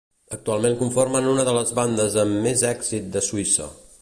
Actualment conformen una de les bandes amb més èxit de Suïssa.